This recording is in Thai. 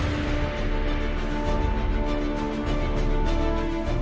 ไทยรัฐคู่มือเลือกต่างนั้นจะหาเงินมาจากที่ไหนได้บ้าง